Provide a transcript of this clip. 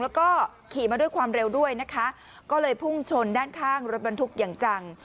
แล้วก็ขี่มาด้วยความเร็วด้วยนะคะก็เลยพุ่งชนด้านข้างรถบรรทุกอย่างจัง